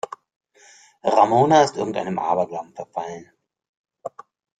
Ramona ist irgendeinem Aberglauben verfallen.